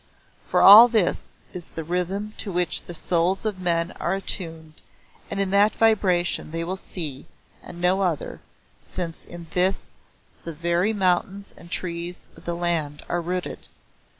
For all this is the rhythm to which the souls of men are attuned and in that vibration they will see, and no other, since in this the very mountains and trees of the land are rooted.